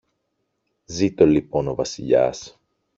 Ζήτω λοιπόν ο Βασιλιάς!